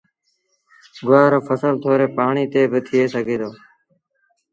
گُوآر رو ڦسل ٿوري پآڻيٚ تي با ٿئي سگھي دو